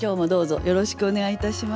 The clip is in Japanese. よろしくお願いします。